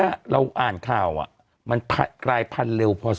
เข้าข้างกับไวรัส